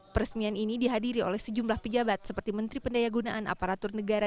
peresmian ini dihadiri oleh sejumlah pejabat seperti menteri pendaya gunaan aparatur negara